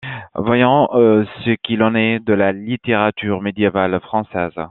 Voyons ce qu'il en est de la littérature médiévale française.